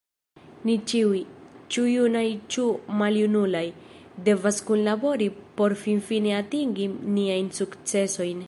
Ni ĉiuj, ĉu junaj ĉu maljunaj, devas kunlabori por finfine atingi niajn sukcesojn.